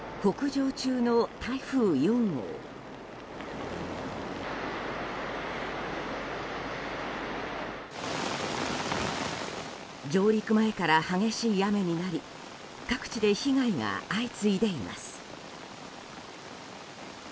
上陸前から激しい雨になり各地で被害が相次いでいます。